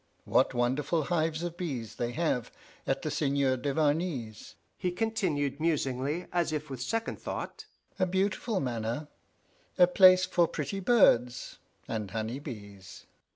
What wonderful hives of bees they have at the Seigneur Duvarney's!" he continued musingly, as if with second thought; "a beautiful manor a place for pretty birds and honey bees!"